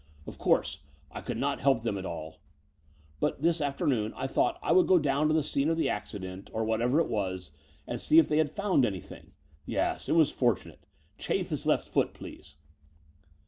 Of course I could not help them at all; but this afternoon I thought I would go down to the scene of the accident, or whatever it was, and see if they had found anything. Yes, it was fortunate. Chafe his left foot, please."